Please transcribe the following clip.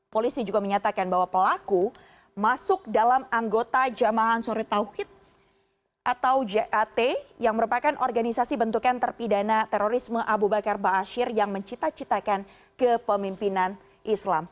polisi juga menyatakan bahwa pelaku masuk dalam anggota jamahan suritauhid atau jat yang merupakan organisasi bentukan terpidana terorisme abu bakar ba'asyir yang mencita citakan kepemimpinan islam